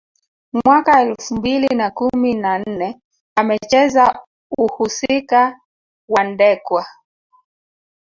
Mwaka elfu mbili na kumi na nne amecheza uhusika wa Ndekwa